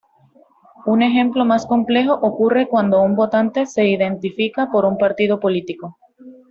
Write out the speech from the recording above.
Un ejemplo más complejo ocurre cuando un votante se identifica con un partido político.